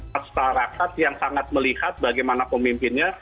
masyarakat yang sangat melihat bagaimana pemimpinnya